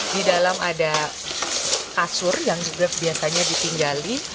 di dalam ada kasur yang juga biasanya ditinggali